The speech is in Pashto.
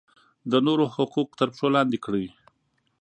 د نورو حقوق تر پښو لاندې کړي.